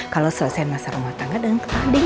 kalau selesain masa rumah tangga deng ketahuin